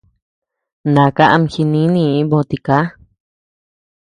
Naka ama jinínii bö tiká.